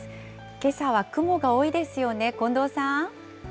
けさは雲が多いですよね、近藤さん。